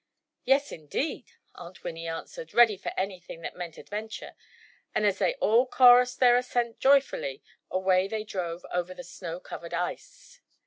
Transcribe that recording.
"Yes, indeed," Aunt Winnie answered, ready for anything that meant adventure, and as they all chorused their assent joyfully, away they drove over the snow covered ice.